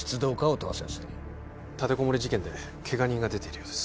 音羽先生立てこもり事件でケガ人が出ているようです